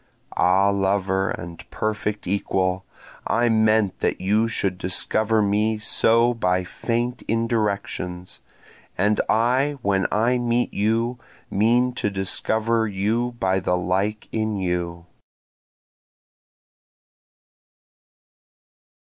Ah lover and perfect equal, I meant that you should discover me so by faint indirections, And I when I meet you mean to discover you by the like in you.